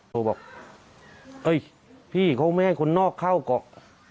โทรบอกเอ้ยพี่เขาไม่ให้คนนอกเข้าเกาะ